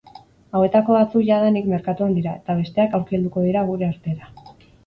Hauetako batzuk jadanik merkatuan dira eta besteak aurki helduko dira gure artera.